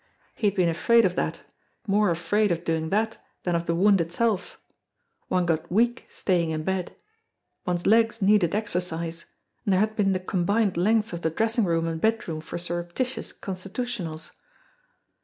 He had been afraid of that, more afraid of doing that than of the wound itself. One got weak staying in bed. One's legs needed exercise and there had been the com bined lengths of the dressing room and bedroom for surrep titious constitutionals